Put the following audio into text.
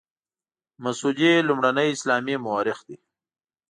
مسعودي لومړنی اسلامي مورخ دی.